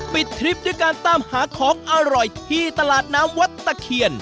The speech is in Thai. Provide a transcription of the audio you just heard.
ทริปด้วยการตามหาของอร่อยที่ตลาดน้ำวัดตะเคียน